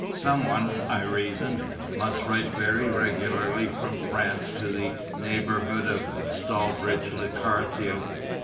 Some one, I reasoned, must write very regularly from France to the neighbourhood of Stallbridge le Carthew.